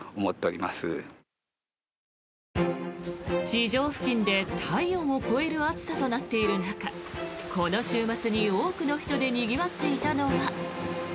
地上付近で体温を超える暑さとなっている中この週末に多くの人でにぎわっていたのは。